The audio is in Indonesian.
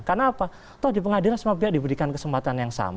karena apa tahu di pengadilan semua pihak diberikan kesempatan yang sama